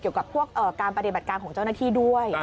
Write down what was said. เกี่ยวกับพวกการปฏิบัติการของเจ้าหน้าที่ด้วย